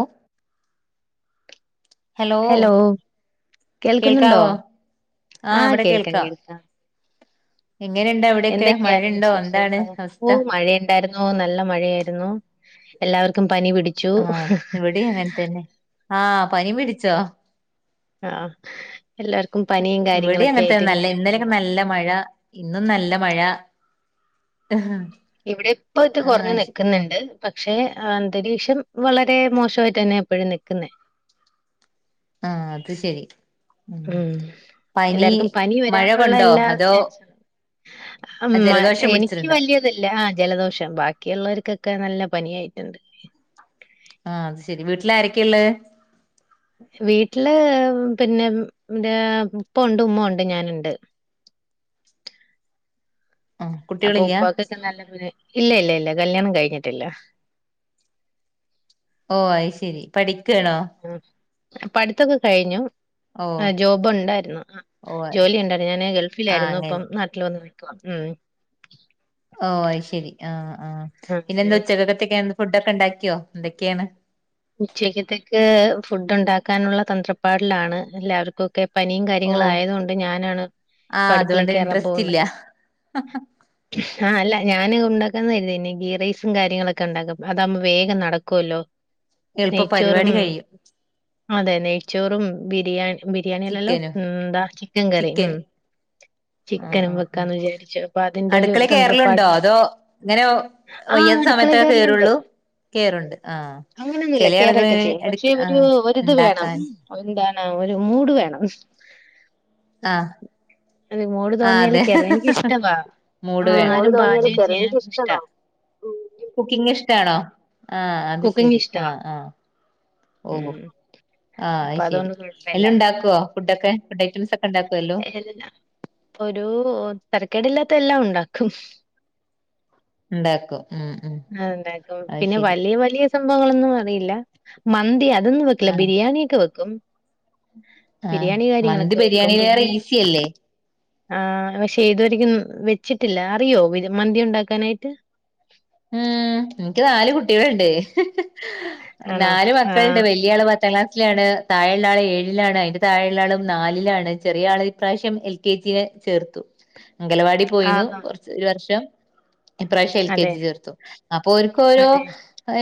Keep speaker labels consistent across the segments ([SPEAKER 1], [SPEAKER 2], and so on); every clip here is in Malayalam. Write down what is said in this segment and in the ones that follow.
[SPEAKER 1] ഓഹ് ഹലോ
[SPEAKER 2] കേൾക്കുന്നുണ്ടോ?
[SPEAKER 1] കേൾക്കാവോ ആഹ് ഇവിടെ കേൾക്കാം എങ്ങനെണ്ടവി
[SPEAKER 2] എന്തൊക്കെയാ [unintelligible] വിശേഷങ്ങള് ഓഹ് മഴെയെന്നെ ണ്ടായിരുന്നു നല്ല മഴയായിരുന്നു എല്ലാവർക്കും പനി പിടിച്ചു
[SPEAKER 1] തെന്നെ ആഹ് പനി പിടി
[SPEAKER 2] പനി ആഹ് ആഹ് എല്ലാർക്
[SPEAKER 1] ഇവിടിം അങ്ങനത്തെ നല്ല ഇന്നലൊക്കെ നല്ല മഴ ഇന്നും നല്ല മഴ
[SPEAKER 2] ഇവിടെ ഇപ്പ ഇത് കൊറഞ്ഞു
[SPEAKER 1] ആഹ് ശ
[SPEAKER 2] നിക്ക്‌ന്ന്ണ്ട് പക്ഷേ അന്തരീക്ഷം വളരെ മോശമായിട്ട് തന്നെ ഇപ്പഴും നിക്കുന്നേ
[SPEAKER 1] ആഹ് അത് ശരി
[SPEAKER 2] ഉം
[SPEAKER 1] പനി
[SPEAKER 2] എല്ലാർക്കും പനി
[SPEAKER 1] മഴ
[SPEAKER 2] വരാനുള്ള
[SPEAKER 1] കൊണ്ടോ
[SPEAKER 2] എല്ലാ
[SPEAKER 1] അതോ
[SPEAKER 2] ചാൻസും ഉം മ
[SPEAKER 1] ജലദോഷം
[SPEAKER 2] എനിക്ക്
[SPEAKER 1] പിടിച്ചിട്ടുണ്ടോ
[SPEAKER 2] വല്യ ഇല്ല ആഹ് ജലദോഷം ബാക്കിയുള്ളോര്ക്കൊക്കെ നല്ല പനിയായിട്ട്ണ്ട്
[SPEAKER 1] ആഹ് അത് ശരി വീട്ടില് ആരൊക്കെയെള്ളെ?
[SPEAKER 2] വീട്ടില് പിന്നെ ഇന്റെ ഉപ്പ ഉണ്ട് ഉമ്മ ഉണ്ട് ഞാന്ണ്ട്
[SPEAKER 1] ആഹ്
[SPEAKER 2] അപ്പൊ
[SPEAKER 1] കുട്ടികളില്ല
[SPEAKER 2] ഉപ്പാക്കൊക്കെ നല്ല [unintelligible] ഇല്ല ഇല്ല ഇല്ല കല്യാണം കഴിഞ്ഞിട്ടില്ല
[SPEAKER 1] ഓഹ് അയ് ശരി പഠിക്കാണോ
[SPEAKER 2] ഉം പഠിത്തൊക്കെ കഴിഞ്ഞു
[SPEAKER 1] ഓ
[SPEAKER 2] ആഹ് ജോബൊണ്ടായിരുന്നു ആഹ്
[SPEAKER 1] ഓ ആഹ്
[SPEAKER 2] ജോലി ഒണ്ടായിരുന്നു ഞാന് ഗൾഫിലായിരുന്നു ഇപ്പം
[SPEAKER 1] അങ്ങനെ
[SPEAKER 2] നാട്ട് നാട്ടില് വന്ന് നിക്കുവാ ഉം
[SPEAKER 1] ഓഹ് അയ് ശരി ആഹ് ആഹ്
[SPEAKER 2] അങ്ങനെ
[SPEAKER 1] പിന്നെന്താ ഉച്ചക്കത്തൊക്കെ ഫുഡൊക്കെ ഇണ്ടാക്കിയോ എന്തൊക്കെയാണ്?
[SPEAKER 2] ഉച്ചയ്ക്കത്തേക്ക് ഫുഡ് ഉണ്ടാക്കാനുള്ള തന്ത്രപ്പാടിലാണ് എല്ലാർക്കൊക്കെ പനിയും
[SPEAKER 1] ഓ
[SPEAKER 2] കാര്യങ്ങളും ആയതോണ്ട് ഞാനാണ് ഇപ്പ
[SPEAKER 1] ആഹ് അതുകൊണ്ട്
[SPEAKER 2] അടുക്കളേക്കേറാൻ
[SPEAKER 1] ഇൻട്രസ്റ്റ്
[SPEAKER 2] പോകുന്നെ
[SPEAKER 1] ഇല്ല
[SPEAKER 2] ആഹ് അല്ല ഞാന് ഒണ്ടാക്കാന്ന് കരുതി ഇന്നെ ഗീ റൈസും കാര്യങ്ങളൊക്കെ ഒണ്ടാക്കും അതാവുമ്പോ വേഗം നടക്കുവല്ലോ
[SPEAKER 1] എളുപ്പം
[SPEAKER 2] നെയ്ച്ചോറും
[SPEAKER 1] പരിപാടി കഴിയും
[SPEAKER 2] അതെ നെയ്ച്ചോറും ബിരിയാണി ബിരിയാണിയല്ലല്ലോ
[SPEAKER 1] ചിക്കനും
[SPEAKER 2] ഉം എന്താ ചിക്കൻ കറി ഉം
[SPEAKER 1] ചിക്കന് ആഹ്
[SPEAKER 2] ചിക്കനും
[SPEAKER 1] ആഹ് ആഹ്
[SPEAKER 2] വെക്കാന്ന് വിചാരിച്ചു അപ്പൊ അതിന്റെ ഒരു
[SPEAKER 1] അടുക്കളെ കേറലുണ്ടോ
[SPEAKER 2] തന്ത്രപ്പാടില്
[SPEAKER 1] അതോ ഇങ്ങനെ
[SPEAKER 2] ആഹ്
[SPEAKER 1] വയ്യാത്ത
[SPEAKER 2] അടുക്കളെ
[SPEAKER 1] സമയത്തേ
[SPEAKER 2] കേറല്ണ്ട്
[SPEAKER 1] കേറുള്ളൂ കേറുണ്ട് ആഹ്
[SPEAKER 2] അങ്ങനെയൊന്നുല്ല
[SPEAKER 1] ചില ആളുകള്
[SPEAKER 2] കേറൊക്കെ ചെയ്യും
[SPEAKER 1] എടു
[SPEAKER 2] പക്ഷെ ഒരു
[SPEAKER 1] ആഹ്
[SPEAKER 2] ഒരിത് വേണം
[SPEAKER 1] ഉണ്ടാക്കാൻ
[SPEAKER 2] ഓ എന്താണ് ഒരു മൂട് വേണം
[SPEAKER 1] ആഹ്
[SPEAKER 2] ഒരു മൂഡ്
[SPEAKER 1] ആഹ്
[SPEAKER 2] തോന്നിയാല്
[SPEAKER 1] അതെ
[SPEAKER 2] കേറും. എനിക്കിഷ്ടവാ
[SPEAKER 1] മൂട് വേണം മൂട്
[SPEAKER 2] ആഹാരം
[SPEAKER 1] തോന്നിയാല്
[SPEAKER 2] പാചകം ചെയ്യാൻ
[SPEAKER 1] [unintelligible]
[SPEAKER 2] ഇഷ്ടാ.
[SPEAKER 1] തോന്നും കുക്കിംഗ് ഇഷ്ട്ടാണോ ആഹ് അത്
[SPEAKER 2] കുക്കിംഗ്
[SPEAKER 1] ശരി
[SPEAKER 2] ഇഷ്ടവാ.
[SPEAKER 1] ആഹ് ആഹ് ഓഹ്
[SPEAKER 2] ഉം.
[SPEAKER 1] ആഹ്
[SPEAKER 2] അപ്പൊ
[SPEAKER 1] അയ് ശെരി
[SPEAKER 2] അതുകൊണ്ട് കുഴപ്പല്ല.
[SPEAKER 1] എല്ലോം ഇണ്ടാക്കുവോ ഫുഡൊക്കെ ഫുഡ് ഐറ്റംസ് ഒക്കെ ഇണ്ടാക്ക്
[SPEAKER 2] [unintelligible] ഒരു തരക്കേടില്ലാത്ത എല്ലാം ഒണ്ടാക്കും
[SPEAKER 1] ഇണ്ടാക്കും ഉം ഉം
[SPEAKER 2] ആഹ് ഇണ്ടാക്കും
[SPEAKER 1] അത്
[SPEAKER 2] പിന്നെ
[SPEAKER 1] ശരി
[SPEAKER 2] വലിയ വലിയ സംഭവങ്ങളൊന്നും അറിയില്ല മന്തി അതൊന്നും വെക്ക് ക്കില്ല
[SPEAKER 1] ആഹ്
[SPEAKER 2] ബിരിയാണിയൊക്കെ വെക്കും
[SPEAKER 1] ആഹ്
[SPEAKER 2] ബിരിയാണി
[SPEAKER 1] മന്തി
[SPEAKER 2] കാര്യങ്ങളൊക്കെ വെക്കും
[SPEAKER 1] ബിരിയാണിലേറെ
[SPEAKER 2] പിന്നെ
[SPEAKER 1] ഈസിയല്ലേ
[SPEAKER 2] ആഹ് പക്ഷെ ഇതുവരക്കും വെച്ചിട്ടില്ല അറിയോ ബിര് മന്തി ഒണ്ടാക്കാനായിട്ട്
[SPEAKER 1] ഉം എനിക്ക് നാല് കുട്ടികളുണ്ട്
[SPEAKER 2] ആണോ
[SPEAKER 1] നാല് മക്കളുണ്ട്
[SPEAKER 2] ആഹ്
[SPEAKER 1] വലിയ ആള് പത്താം ക്ലാസ്സിലാണ് താഴ ഇള്ള ആള് ഏഴിലാണ് അതിൻ്റെ താഴ ഇള്ള ആളും നാലിലാണ് ചെറിയ ആളെ ഇപ്രാവശ്യം എൽ കെ ജിെ ചേർത്തു അംഗലവാടി പോയിന്നു
[SPEAKER 2] ആഹ്
[SPEAKER 1] കൊറച്ച് ഒരു വർഷം ഇപ്രാവശ്യം എൽ കെ
[SPEAKER 2] അതെ
[SPEAKER 1] ജി ചേർ അപ്പൊ ഒരുക്ക് രോ
[SPEAKER 2] അതെ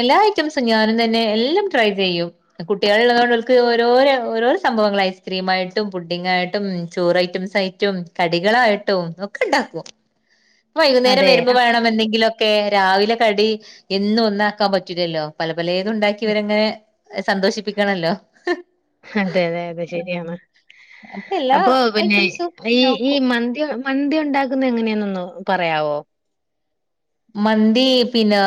[SPEAKER 1] എല്ലാ ഐറ്റംസും ഞാനും തന്നെ എല്ലാം ട്രൈ ചെയ്യും കുട്ടികള ഉള്ളതൊണ്ട്ക്ക് ഓരോര ഓരോ സംഭവങ്ങൾ ഐസ് ക്രീം ആയിട്ടും പുഡിങ്ങായിട്ടും ചോറ് ഐറ്റംസയി ട്ടും കടികളായിട്ടും ഒക്കെ ഇണ്ടാക്കും വൈകുന്നേരം
[SPEAKER 2] അതെ
[SPEAKER 1] വരുമ്പോ
[SPEAKER 2] അ-
[SPEAKER 1] വേണം എന്തെങ്കിലുമൊക്കെ രാവിലെ കടി എന്നും ഒന്നാക്കാൻ പറ്റൂലല്ലോ പല പലേതു ഉണ്ടാക്കിവരങ്ങനെ സന്തോഷിപ്പിക്കണല്ലോ
[SPEAKER 2] അതെ അതെ അതെ
[SPEAKER 1] ആ
[SPEAKER 2] ശരിയാണ്
[SPEAKER 1] അപ്പൊ എല്ലാ ഐറ്റംസും നോക്കും
[SPEAKER 2] മന്തിയ മന്തി ഉണ്ടാകുന്നത് എങ്ങനെയന്നൊന്ന് പറയാവോ
[SPEAKER 1] മന്തി പിന്നെ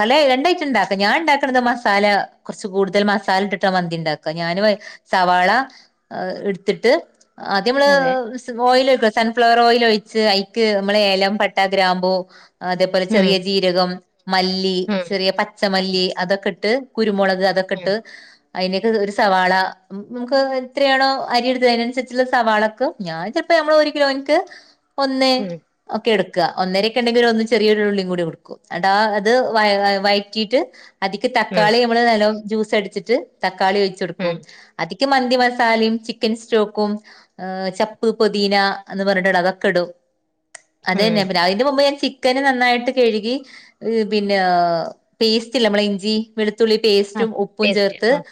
[SPEAKER 1] പല രണ്ടായിട്ടും ഇണ്ടാക്കാം ഞാൻ ഉണ്ടാക്കണത് മസാല കുറച്ച് കൂടുതൽ മസാല ഇിട്ടിട്ട മന്തി ഉണ്ടാക്കുക ഞാന് സവാള എടുത്തിട്ട് ആദ്യമ്മള്
[SPEAKER 2] അതെ
[SPEAKER 1] ഓയിൽ ഒഴ സൺഫ്ലവർ ഓയിൽ ഒഴിച്ച് ഐക്ക് നമ്മളെഏലം പട്ടാ ഗ്രാമ്പു അതേപോലെ ചെറിയ
[SPEAKER 2] ഉം
[SPEAKER 1] ജീരകം മല്ലി
[SPEAKER 2] ഉം
[SPEAKER 1] ചെറിയ പച്ചമല്ലി അതൊക്കെ ഇട്ട് കുരുമുളക്
[SPEAKER 2] ഉം
[SPEAKER 1] ഇതൊക്കെട്ട് അതിനൊക്കെ ഒരു സവാള നമുക്ക് എത്രയാണോ അരിയെടുത്തത് അതിനനുസരിച്ചുള്ള സവാളൊക്കെ ഞാൻ ചെലപ്പോ നമ്മള് ഒരു കിലോനിക്ക് ഒന്നേ
[SPEAKER 2] ഉം
[SPEAKER 1] ഒക്കെ എടുക്കുക ഒന്നരൊക്കെ ഉണ്ടെങ്കിൽ ഒന്ന് ചെറിയരുള്ളികൂടി കൊടുക്കും എടാ അത് വയ വയ വയറ്റിട്ട് അതിക്ക്‌
[SPEAKER 2] ഉം
[SPEAKER 1] തക്കാളിയും മ്മള് അലോ ജൂസ്‌ അടിച്ചിട്ട് തക്കാളിയൊഴിച്ചൊടുക്കും
[SPEAKER 2] ഉം
[SPEAKER 1] അതി ക്ക് മന്തി മസാലയും ചിക്കൻ സ്റ്റോക്കും ചപ്പ് പൊദീന എന്ന് പറഞ്ഞിട്ടട അതൊക്കെ ഇടും അത
[SPEAKER 2] ഉം
[SPEAKER 1] തന്നെ
[SPEAKER 2] ഉം
[SPEAKER 1] പി അതിന്റെ മുമ്പ് ഞാൻ ചി ക്കന് നന്നായിട്ട് കഴുകി പിന്നെ പേസ്റ്റ്ല്ല നമ്മളെ ഇഞ്ചി വെളുത്തുള്ളി പേസ്റ്റും
[SPEAKER 2] ആഹ്
[SPEAKER 1] ഉപ്പും
[SPEAKER 2] ടേസ്റ്റ്
[SPEAKER 1] ചേർത്ത്
[SPEAKER 2] ആഹ്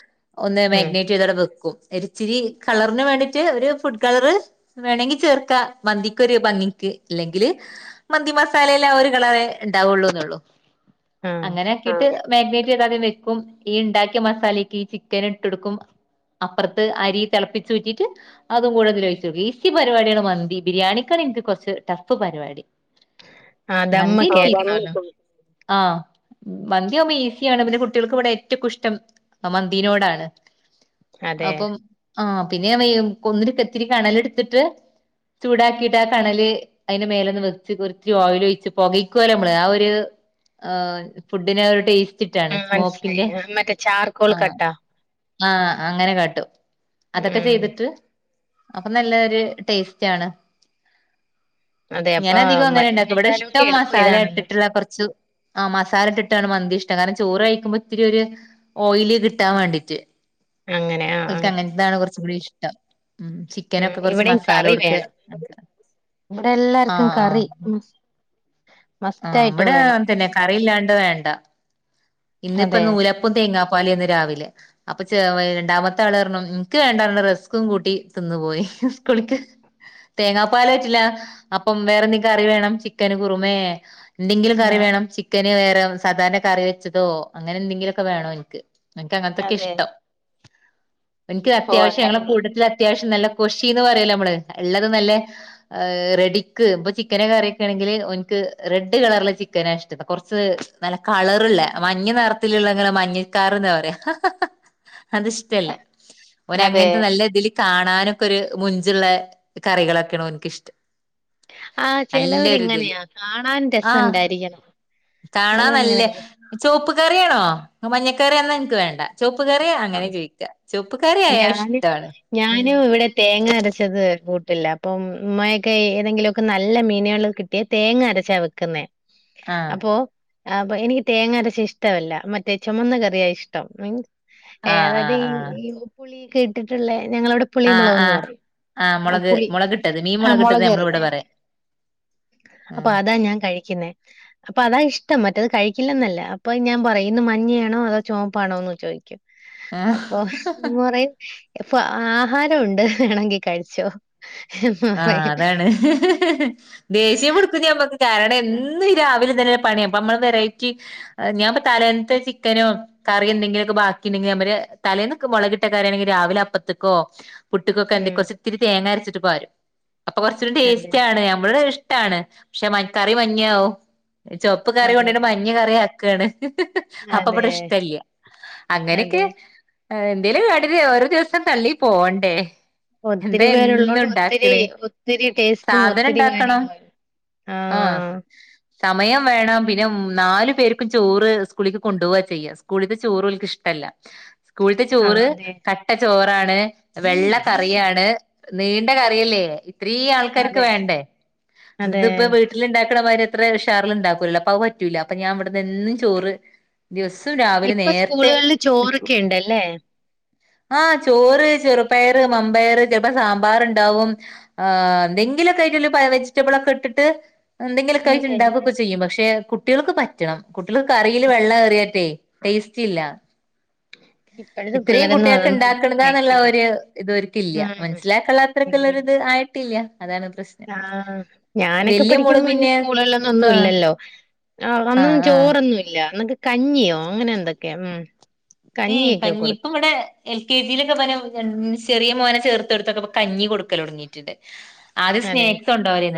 [SPEAKER 1] ഒന്ന്
[SPEAKER 2] ഉം
[SPEAKER 1] മാഗിനേറ്റ് ചെയ്തോടെ വെക്കും ഒരിച്ചിരി കളറിന് വേണ്ടിട്ട് ഒരു ഫുഡ് കളറ് വേണെങ്കി ചേർക്ക മന്തിക്കൊരു ഭംഗിക്ക് അല്ലെങ്കില് മന്തി മസ സാലയിൽ ഒരു കളറെ ഉണ്ടാവുള്ളൂ എന്നുള്ളൂ
[SPEAKER 2] ആഹ്
[SPEAKER 1] അങ്ങനെ ഇട്ട് മാഗ്നേറ്റ് ചെയ്താദ്യം വെക്കും ഈ ഉണ്ടാക്കിയ മസാലക്ക് ഈ ചിക്കൻ ഇട്ട്ടുക്കും അപ്പറത്ത് അരി തിളപ്പിച്ചു ഊറ്റിട്ട് അതും കൂടിതിൽ ഒഴിച് ഈസി പരിപാടിയാണ് മന്തി ബിരിയാണിക്കാണ് എനിക്ക് കുറച്ച് ടഫ് പരിപാടി
[SPEAKER 2] ആ
[SPEAKER 1] മന്ദി
[SPEAKER 2] ദമ്മൊക്കെ ആക്കണല്ലോ
[SPEAKER 1] ആഹ് മന്തിയകുമ്പോ ഈസിയാണ് പിന്നെ കുട്ടികൾക്ക് ഇവിടെ ഏറ്റവും ഇഷ്ടം മന്തിനോടാണ്
[SPEAKER 2] അതെ
[SPEAKER 1] അപ്പം ആഹ് പിന്നെ വെ കൊന്നിരി കത്തിരി കണലെടുത്തിട്ട് ചൂടാക്കിട്ട് ആ കണല് അതിന്റെ മേലൊന്ന് വെച്ച് കൊടു ചിരി ഓയിൽ ഒഴിച് പോകയ്ക്കലൊ നമ്മള് ആ ഒരു ആ ഫുഡിന് ഒരു ടേസ് റ്റിട്ടാണ്
[SPEAKER 2] ഉം മനസ്സിലായി
[SPEAKER 1] സ്മോക്കിന്റെ
[SPEAKER 2] ആ, മറ്റേ ചാർക്കോൾ
[SPEAKER 1] ആ
[SPEAKER 2] കട്ട
[SPEAKER 1] ആഹ് അങ്ങനെ കാട്ടും അതൊക്കെ
[SPEAKER 2] ഉം
[SPEAKER 1] ചെയ്തിട്ട് അപ്പൊ നല്ലൊരു ടേസ്റ്റ് ആണ്
[SPEAKER 2] അതെ
[SPEAKER 1] ഞാന
[SPEAKER 2] അപ്പൊ
[SPEAKER 1] അധികം അങ്ങനെ ഇണ്ടാക്ക ഇവിടെ
[SPEAKER 2] മറ്റതിനേക്കാളും ഒക്കെ
[SPEAKER 1] ഇഷ്ടം
[SPEAKER 2] എളുപ്പം
[SPEAKER 1] മസാല
[SPEAKER 2] ഇതാണല്ലോ
[SPEAKER 1] ഇട്ടിട്ടുള്ള കുറച്ചു ആഹ് മസാല ഇട്ടിട്ടാണ് മന്തി ഇഷ്ടം കാരണം ചോറ് കഴിക്കുമ്പോ ഇത്തിരി ഒരു ഓയിയില് കിട്ടാൻ വേണ്ടിട്ട്
[SPEAKER 2] അങ്ങനെ ആ ആ
[SPEAKER 1] ഓല്ക്ക് അങ്ങനതാണ് കുറച്ചും കൂടി ഇഷ്ടം മ് ചി
[SPEAKER 2] ഉം
[SPEAKER 1] ചിക്കനൊക്കെ കുറച്ച്
[SPEAKER 2] ഇവിടെയും
[SPEAKER 1] മസാല
[SPEAKER 2] കറി
[SPEAKER 1] കൊടുക്ക
[SPEAKER 2] വേണം ഇവിടെ എല്ലാർക്കും
[SPEAKER 1] ആഹ് ആഹ്
[SPEAKER 2] കറി മസ്റ്റ്
[SPEAKER 1] ആഹ്
[SPEAKER 2] ആയിട്ട്
[SPEAKER 1] ഇവിടെ
[SPEAKER 2] വേണം
[SPEAKER 1] തന്നെ കറിയില്ലാണ്ട് വേണ്ട ഇന്നിപ്പ
[SPEAKER 2] അതെ
[SPEAKER 1] നൂല പ്പം തേങ്ങാപ്പാലിന്ന് രാവിലെ അപ്പൊ ച രണ്ടാമത്തെ ആൾപറഞ്ഞ് എനിക്ക് വേണ്ടാ ന്ന് റസ്കും കൂട്ടി തിന്നു പോയി സ്കൂളിക്ക് തേങ്ങാപ്പാലൊഴിചുള്ള അപ്പം വേറെന്തെങ്കിലും കറി വേണം ചിക്കന് കുറുമേ എന്തെങ്കിലും
[SPEAKER 2] ആ
[SPEAKER 1] കറി വേണം ചി ക്കന് വേറെ സാധാരണ കറി വെച്ചതോ അങ്ങനെ എന്തെങ്കിലുമൊക്കെ വേണോ എനിക്ക് എനിക്ക് അങ്ങത്തക്ക
[SPEAKER 2] അതെ
[SPEAKER 1] ഇഷ്ടം എനിക്ക്
[SPEAKER 2] ഓ
[SPEAKER 1] അത്യാവശ്യം ഞങ്ങളെ
[SPEAKER 2] അങ്ങനെയുള്ള
[SPEAKER 1] കൂട്ടത്തിൽ അത്യാവശ്യം നല്ല കൊഷിന്ന് പറയല്ലോ നമ്മള് ഉള്ളത് നല്ല റെഡിക്ക് ഇപ്പൊ ചിക്കനെ കറിയൊക്കാണെങ്കിൽ ഓൻക്ക് റെഡ് കളറില ചിക്കന ഇഷ്ട കൊറച്ച് നല്ല കളറ്ള്ള മഞ്ഞ നിറത്തിലുള്ളങ്ങനെ മഞ്ഞ് കാറ്ന്ന പറയാഅത്ഷ്ടല്ല ഓന്
[SPEAKER 2] അതെ
[SPEAKER 1] അങ്ങനത്തെ നല്ലതിൽ കാണാനൊക്കെ ഒരു മുഞ്ചുള്ള കറികളൊക്കെയണ ഓന്ക്ക്ക്കിഷ്ടം
[SPEAKER 2] ആഹ ചെിലവർങ്ങനെയാ കാണാൻ രസംണ്ടായിരിക്കണം.
[SPEAKER 1] കാണാ നല്ല ചുവപ്പ് കറിയണോ മഞ്ഞക്കറിന്നാ എനക്ക് വേണ്ട ചുവപ്പ് കറിയ
[SPEAKER 2] ആ
[SPEAKER 1] അങ്ങനെ ചോയിക്ക ചുവപ്പ് കറിയാൽ
[SPEAKER 2] ഞാന്
[SPEAKER 1] ഇഷ്ടാണ്
[SPEAKER 2] ഞാനും ഇവിടെ തേങ്ങ അരച്ചത് കൂട്ടില്ല അപ്പം ഉമ്മയൊക്കെ ഏതെങ്കിലുമൊക്കെ നല്ല മീനുകൾ ക റ്റിയ തേങ്ങ അരച്ചാ വെക്കുന്നേ
[SPEAKER 1] ആഹ്
[SPEAKER 2] അപ്പൊ അപ്പൊ എനിക്ക് തേങ്ങരച്ച ഇഷ്ടമല്ല മറ്റേ ചുമന്ന കറിയായ ഇഷ്ടം മീൻ
[SPEAKER 1] ആഹ്
[SPEAKER 2] [unintelligible]
[SPEAKER 1] ആഹ് ആഹ്
[SPEAKER 2] ഈ പുളിക്കെ ഇട്ടിട്ടുള്ള ഞങ്ങളവിടെ
[SPEAKER 1] ആഹ്
[SPEAKER 2] പുളിമുളകന്ന്
[SPEAKER 1] ആഹ്
[SPEAKER 2] പറയും
[SPEAKER 1] ആഹ്
[SPEAKER 2] ആ
[SPEAKER 1] മുളക്
[SPEAKER 2] പുളി
[SPEAKER 1] മുളകിട്ടത് മീൻ
[SPEAKER 2] ആ
[SPEAKER 1] മുളകിട്ടത്
[SPEAKER 2] മുളക് കറി
[SPEAKER 1] നമ്മളിവിടെ പറയാ
[SPEAKER 2] അപ്പൊ
[SPEAKER 1] ആഹ്
[SPEAKER 2] അതാ ഞാൻ കഴിക്കുന്നേ അപ്പൊ അതാ ഇഷ്ടം മറ്റത് കഴിക്കില്ലെന്നല്ല അപ്പൊ ഞാൻ പറയും ഇന്ന് മഞ്ഞയാണോ അതോ ചുവുപ്പാണോ എന്ന് ചോദിക്കും. അപ്പ
[SPEAKER 1] ആഹ്
[SPEAKER 2] ഉമ്മറയും ഇപ്പൊ ആഹാരം ഉണ്ട് വേണെങ്കി കഴിച്ചോ എന്ന്
[SPEAKER 1] ആ
[SPEAKER 2] പറയും.
[SPEAKER 1] അതാണ് ദേഷ്യ പിടിപ്പ മ്മക്ക് കാരണം എ രാവിലെ തന്നെ പണിയ അപ്പ നമ്മള് വെറൈറ്റി ഞാൻപ്പ തലേന്ന്ത്തെ ചിക്കനും കറി എന്തെങ്കിലുമൊക്കെ ബാക്കിെ ണ്ടങ്കില് അവര് തലേന്നൊക്കെ മുളകിട്ട കറിണെങ്കിൽ രാവിലെ അപ്പത്ത്ക്കോ പുട്ടിക്കൊക്കെന്തക്ക
[SPEAKER 2] ഉം
[SPEAKER 1] കുറച്ച് ഇത്തിരി തേങ്ങ അരച്ചിട്ട് പാരും. അപ്പൊ കൊറച്ചൂടി
[SPEAKER 2] അതെ
[SPEAKER 1] ടേസ്റ്റ് ആണ് നമ്മള് ഇഷ്ടാണ് പക്ഷെ മ കറി മഞ്ഞാവും. ചൊവപ്പ് കറി കൊണ്ടയിട്ട്
[SPEAKER 2] മഞ്ഞയോ
[SPEAKER 1] മഞ്ഞ കറി ആക്കാണ് അപ്പൊ
[SPEAKER 2] അതെ
[SPEAKER 1] ഇവിടെ ഇഷ്ടല്ല അങ്ങനെയൊക്കെ
[SPEAKER 2] അതെ
[SPEAKER 1] എന്തേലും കാട്ടിറ്റ് ഒരോ ദിവസം തള്ളി പോകണ്ടേ
[SPEAKER 2] ഒത്തിരി പേരുള്ളത് കൊണ്ട് ഒത്തിരി ഒരി ഒത്തിരി ടേസ്റ്റും
[SPEAKER 1] സാധനം
[SPEAKER 2] ഒത്തിരി
[SPEAKER 1] ഉണ്ടാക്കണം
[SPEAKER 2] കാര്യങ്ങളും
[SPEAKER 1] ആഹ്
[SPEAKER 2] ആഹ
[SPEAKER 1] സമയം വേണം പിന്നെ നാലു പേർക്കും ചോറ് സ്കൂളിക്ക് കൊണ്ടുപോകവാ ചെയ്യാം സ്കൂളിലത്തെ ചോറ്ല്ക്ക് ഇഷ്ടല്ല [inaudible] സ്കൂളത്തെ
[SPEAKER 2] ആ
[SPEAKER 1] ചോറ്
[SPEAKER 2] അതെ.
[SPEAKER 1] കട്ട ചോറാണ് വെള്ളക്കറിയാണ് നീണ്ട ക അല്ലേ ഇത്രീം ആൾക്കാർക്ക്
[SPEAKER 2] അതെ.
[SPEAKER 1] വേണ്ടേ
[SPEAKER 2] അതെ.
[SPEAKER 1] ഇത്പ്പോ വീ വീട്ടില് ഉണ്ടാക്കുന്നമാതിരി എത്ര ഉഷാറിലും ഉണ്ടാക്കൂല്ലോ അപ്പൊ അത് പറ്റൂല്ല അപ്പ ഞൻ ഇവിടന്ന്ും ചോറ് ദിവസവും രാവിലെ നേരത്തെ നിട്ടും
[SPEAKER 2] ഇണ്ടല്ലേ
[SPEAKER 1] ആഹ ചോറ് ചെറുപ്പയർ മമ്പയർ ചിലപ്പോ സാമ്പാർ ഉണ്ടാവും ആ
[SPEAKER 2] ഉം.
[SPEAKER 1] എന്തെങ്കിലുമൊക്കെ ആയിട്ട് വെജിറ്റബിള ഒക്കെ ഇട്ടിട്ട് എന്തെങ്കിലുമൊക്കെ ആയിട്ട്
[SPEAKER 2] അതെല്ലേ.
[SPEAKER 1] ഉണ്ടാക്കുകൊക്കെ ചെയ്യും പക്ഷെ കുട്ടികൾക്ക് പറ്റണം കുട്ടികൾക്ക് കറിയിൽ വെള്ളം
[SPEAKER 2] പറ്റും.
[SPEAKER 1] ഏറിയാട്ടെ ടേസ്റ്റ് ഇല്ല
[SPEAKER 2] ഇപ്പോഴത്തെ പിള്ളരന്നു
[SPEAKER 1] കുട്ടിയൊക്കെ ഉണ്ടാക്കണതാ എന്നുള്ള ഒരു ഇതോരിക്ക ഇല്ല
[SPEAKER 2] ഉം.
[SPEAKER 1] മനസ്സിലാക്കുള്ള അത്രക്കുള്ളരി ഇത് ആയിട്ടില്ല അതാണ് പ്രശ്നം
[SPEAKER 2] ആഹ ഞാനൊക്കെ
[SPEAKER 1] വല്യ മോള്
[SPEAKER 2] പഠിക്കുമ്പോ അയിന്
[SPEAKER 1] പിന്നെ
[SPEAKER 2] സ്കൂള്
[SPEAKER 1] ഇപ്പ
[SPEAKER 2] ള്ളെന്നും ഇല്ലല്ലോ ആ അന്നൊന്നും
[SPEAKER 1] ആഹ് ആഹ്
[SPEAKER 2] ചോറൊന്നും ഇല്ല അന്നൊക്കെ കഞ്ഞിയോ അങ്ങനെ എന്തൊക്കെയ ഉം
[SPEAKER 1] ഏ
[SPEAKER 2] കഞ്ഞിയൊക്കെ
[SPEAKER 1] കഞ്ഞി ഇപ്പം
[SPEAKER 2] കൊടുക്കും.
[SPEAKER 1] ഇവടെ എൽ കെ ജിയിലൊക്കെ പോനെ ചെറിയ മോനെ ചേർത്ത്ടുത്തൊക്കെ കഞ്ഞി കൊടുക്കല തുടങ്ങിയിട്ടുണ്ട്. ആദ്യ
[SPEAKER 2] അതെ.
[SPEAKER 1] സ്നേക്ക്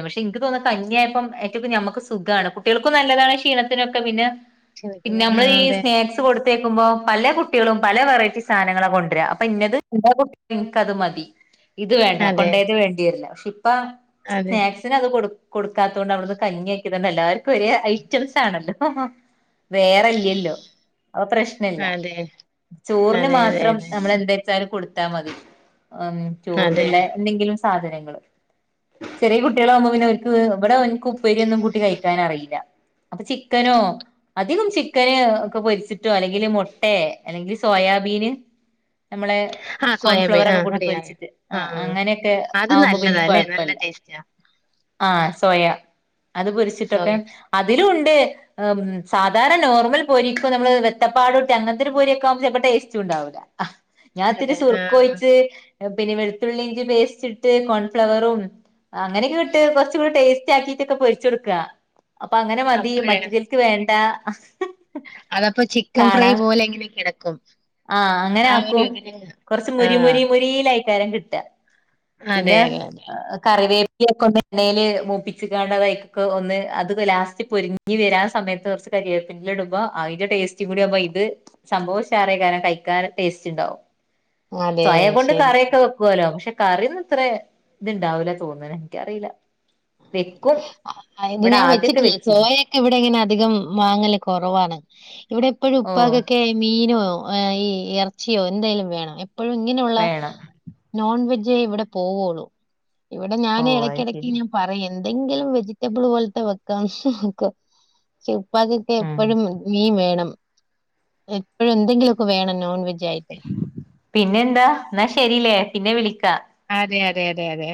[SPEAKER 1] പക്ഷെ എനിക്ക് തോന്നാ കഞ്ഞി ആയപ്പം ഏ നമുക്ക് സുഖമാണ് കുട്ടികൾക്കും നല്ലതാണ് ക്ഷീണത്തിനൊക്കെ പിന്നെ പിന്നെ
[SPEAKER 2] ആഹ്
[SPEAKER 1] നമ്മള് ഈ
[SPEAKER 2] അതെ.
[SPEAKER 1] സ്നാക്സ് കൊടുത്തേക്കുമ്പോ പല കുട്ടികളും പല വെറൈറ്റി സാധനങ്ങളാ കൊണ്ടുവരാ അപ്പൊ ഇന്നത് [unintelligible] കുട്ടിക എനിക്കത് മതി. ഇത് വേണ്ട
[SPEAKER 2] അതെ.
[SPEAKER 1] കൊണ്ടേത് വേണ്ടിരില്ല പക്ഷെ ഇപ്പ
[SPEAKER 2] അതെ.
[SPEAKER 1] സ്നാക്സിന് അത്കൊടു ക്കാത്തത് കൊണ്ട് അവ്ട്ന്ന് കഞ്ഞിയാക്കിയതണ്ട് എല്ലാവർക്കും ഒരേ ഐറ്റംസ് ആണല്ലോ. വേറെല്ലല്ലോ അപ്പോ പ്രശ്നല്ല.
[SPEAKER 2] അതെ
[SPEAKER 1] ചോറിന്
[SPEAKER 2] അതെ അതെ
[SPEAKER 1] മാത്രം
[SPEAKER 2] അതെ.
[SPEAKER 1] നമ്മൾ എന്താ വെച്ചുകൊടുത്താൽ മതി ഉം
[SPEAKER 2] അതെ.
[SPEAKER 1] ചോറന്നുള്ള എന്തെങ്കിലും സാധനങ്ങള്. ചെറിയ കുട്ടികളാവുംമ്പോ പിന്നെ ഓർക്ക് ഇവിടെ കുപ്പേരിയ ഒന്നും കുട്ടി കഴിക്കാൻ അറിയില്ല. അപ്പൊ ചിക്കനോ അധികം ചിക്കന് ഒക്കെ പൊരിച്ചിട്ടോ അല്ലെങ്കില് മൊ ട്ടേ അല്ലെങ്കിൽ സോയാബീന് നമ്മളെ
[SPEAKER 2] ആ
[SPEAKER 1] കോൺഫ്ലവർ
[SPEAKER 2] സോയാബീൻ ആ
[SPEAKER 1] ഒക്കെ കൂട്ടി
[SPEAKER 2] അറിയാറിയാം
[SPEAKER 1] പൊരിച്ചിട്ട് ആ അങ്ങനെയൊക്കെ
[SPEAKER 2] അത്
[SPEAKER 1] ആവുമ്പോ
[SPEAKER 2] നല്ലതാല്ലേ നല്ല
[SPEAKER 1] പിന്നെയകൊഴപ്പല്ല,
[SPEAKER 2] ടേസ്റ്റാ
[SPEAKER 1] ആഹ് സോയ അത് പൊരിച്ചിട്ടൊക്കെ
[SPEAKER 2] സോയ
[SPEAKER 1] അതിലുണ്ട് സാധാരണ നോർമൽ പൊരിക്കും നമ്മള് വെത്തപ്പാട് അങ്ങനത്തെ ഒരു പൊരി ഒക്കെ ആകുമ്പോ ടേസ്റ്റ് ഉണ്ടാവൂല്ല ഞാൻത്തിരി
[SPEAKER 2] അതെ ആ
[SPEAKER 1] സുറുക്കൊഴിച്ച് പിന്നെ വെളുത്തുള്ളി ഇഞ്ചപേസ്റ്റിട്ട് കോൺഫ്ലവറും അങ്ങനെയൊക്കെ വിട്ട് കുറച്ചകൂടെടേസ്റ്റ് ആയിട്ടൊക്കെ പൊരിച്ച് കൊടുക്ക. അപ്പൊ അങ്ങനെ മതി
[SPEAKER 2] അപ്പഴേ
[SPEAKER 1] മറ്റേ ചെൽക്ക് വാണ്ട
[SPEAKER 2] അതപ്പൊ ചിക്കൻ ഫ്രൈപോലെങ്ങനെ കിടക്കും.
[SPEAKER 1] ആഹ് അങ്ങനെ
[SPEAKER 2] ആ ഒരു
[SPEAKER 1] ആക്കും
[SPEAKER 2] ഇതില്
[SPEAKER 1] കൊറച്ച്
[SPEAKER 2] ആ
[SPEAKER 1] മുരി മുരി മുരീയിലാക്കാരം കിട്ട.
[SPEAKER 2] അതെ
[SPEAKER 1] പിന്നെ
[SPEAKER 2] അതെ അതെ
[SPEAKER 1] കറിവേപ്പിയൊക്കെണ്ടോയി എണ്ണൽ മൂപ്പിച്ചകാണ്ടയിക്കൊക്കെന്ന് അത് ലാസ്റ്റ് പൊരിങ്ങിവരാൻ സമയത്ത് കുറച്ച്. കരിയേപ്പിന്റെലാ ഇടുമ്പോ അതിന്റെ ടേസ്റ്റും കൂടിയമ്പോ ഇത് സംഭവഷാറാക്കാരം കഴിക്കാൻ ടേസ്റ്റ്ണ്ടാവും
[SPEAKER 2] അതെ
[SPEAKER 1] സോയ കൊണ്ട്
[SPEAKER 2] ശരി ശരി
[SPEAKER 1] കറിയൊക്കെ വെ പ്പോലോ പക്ഷെ കറിന്ന്ഇത്രേ ഇത്ണ്ടാവൂല തോന്നണെ എനിക്കറിയില്ല വെക്കും
[SPEAKER 2] ആ, ഇത്
[SPEAKER 1] ഇവിടെ
[SPEAKER 2] ഞാൻ
[SPEAKER 1] ആദ്യക്കെ
[SPEAKER 2] വെച്ചിട്ടില്ല
[SPEAKER 1] വെച്ച
[SPEAKER 2] സോയൊക്കെ ഇവിടെ ഇങ്ങനെ അധികം വാങ്ങല് കുറവാണ് ഇവിടെ എപ്പോഴും
[SPEAKER 1] ഓ
[SPEAKER 2] ഉപ്പാകൊക്കെ മീനോ ഈ ഇറച്ചിയോ എന്തായാലും വേണം എപ്പോഴും ഇങ്ങനെയുള്ള
[SPEAKER 1] വേണം
[SPEAKER 2] നോൺവെജേ ഇവിടെ പോവുള്ളൂ ഇവിടെ
[SPEAKER 1] ഓ
[SPEAKER 2] ഞാൻ
[SPEAKER 1] അത് ശരി
[SPEAKER 2] ഇടക്കിടക്ക്ഞ പറയുന്തെങ്കിലും വെജിറ്റബിൾ പോലത്തെ വെക്കാൻ നോക്ക ച
[SPEAKER 1] ഉം
[SPEAKER 2] പ്പാക്കൊക്കെപ്പോഴും മീൻ വേണം എപ്പോഴും എന്തെങ്കിലുക്കെ വേണം നോൺവെജ ആയിട്ട്,
[SPEAKER 1] പിന്നെന്താ എന്നാ ശരില്ലേപിന്നെ വിളിക്കാ
[SPEAKER 2] അതെ അതെ അതെ അതെ